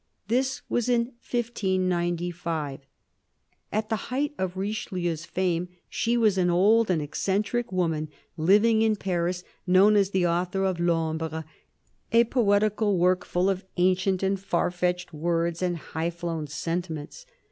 This was in 1595. At the height of Richelieu's fame she was an old and eccentric woman, living in Paris, known as the author of L'Ombre, a poetical work full of ancient and far fetched words and high flown sentiments.